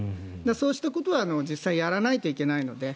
そうしたことは実際にやらないといけないので。